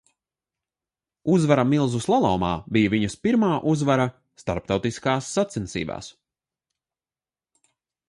Uzvara milzu slalomā bija viņas pirmā uzvara starptautiskās sacensībās.